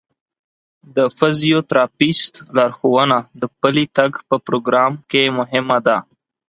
د فزیوتراپیست لارښوونه د پلي تګ په پروګرام کې مهمه ده.